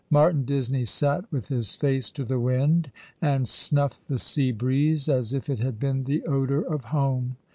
Martin Disney sat with his face to the wind, and snuffed the sea breeze as if it had been the odour of home.